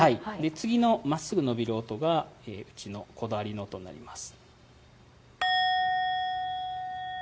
次のまっすぐ伸びる音がうちのこだわりの音になります。